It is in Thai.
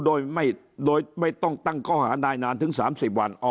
โดยไม่ต้องตั้งข้อหานายนานถึง๓๐วัน